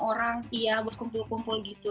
enam orang tiap berkumpul kumpul gitu